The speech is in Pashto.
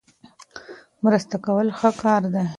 مرسته کول ښه کار دی.